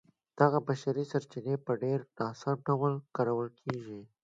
دغه بشري سرچینې په ډېر ناسم ډول کارول کېدې.